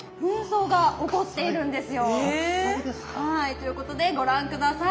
ということでご覧下さい。